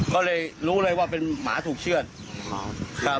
ก็เลยรู้เลยว่าเป็นหมาถูกเชือก